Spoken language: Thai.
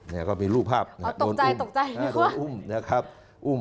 เนี่ยก็มีรูปภาพโดนอุ้ม